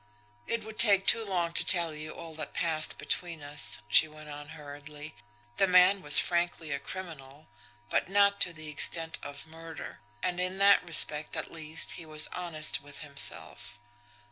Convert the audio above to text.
"It would take too long to tell you all that passed between us," she went on hurriedly. "The man was frankly a criminal but not to the extent of murder. And in that respect, at least, he was honest with himself.